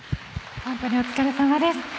本当にお疲れさまです。